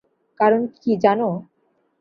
কারন কি জানো?